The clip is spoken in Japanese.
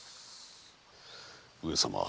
上様。